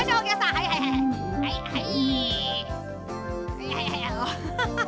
はいはいはいはい。